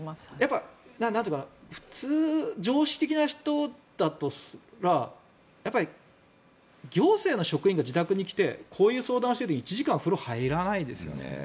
普通、常識的な人だったらやっぱり行政の職員が自宅に来てこういう相談をしてて１時間風呂に入らないですよね。